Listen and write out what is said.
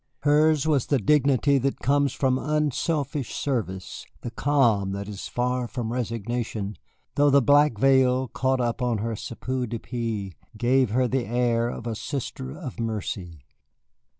Hers was the dignity that comes from unselfish service, the calm that is far from resignation, though the black veil caught up on her chapeau de paille gave her the air of a Sister of Mercy.